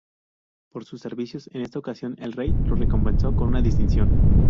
Por sus servicios en esta ocasión el rey lo recompensó con una distinción.